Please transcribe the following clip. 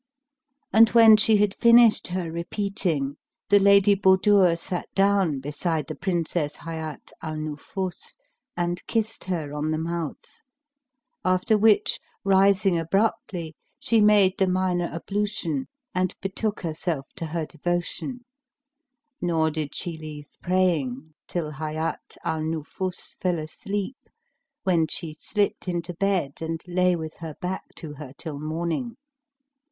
And when she had finished her repeating, the Lady Budur sat down beside the Princess Hayat al Nufus and kissed her on the mouth; after which rising abruptly, she made the minor ablution and betook herself to her devotions; nor did she leave praying till Hayat al Nufus fell asleep, when she slips into bed and lay with her back to her till morning.